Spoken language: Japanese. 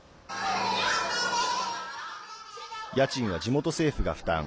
家賃は地元政府が負担。